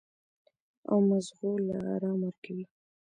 او مزغو له ارام ورکوي -